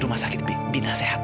rumah sakit bina sehat